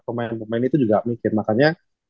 pemain pemain itu juga mikir makanya